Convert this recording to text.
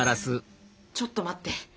ちょっと待って！